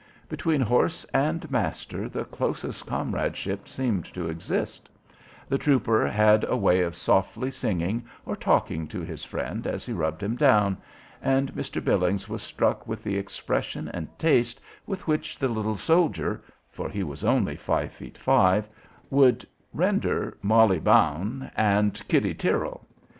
Between horse and master the closest comradeship seemed to exist; the trooper had a way of softly singing or talking to his friend as he rubbed him down, and Mr. Billings was struck with the expression and taste with which the little soldier for he was only five feet five would render "Molly Bawn" and "Kitty Tyrrell."